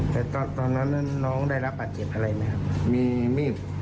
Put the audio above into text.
แต่ตอนนั้นน้องได้รับบาดเจ็บอะไรไหมครับมีมีด